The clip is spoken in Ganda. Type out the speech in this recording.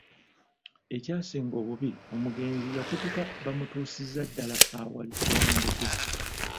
Ekyasinga obubi omugenzi yakutuka bamutuusiza ddala awali Tebandeke.